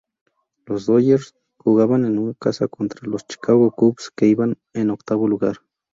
Los Dodgers jugaban en casa contra los Chicago Cubs, que iban en octavo lugar.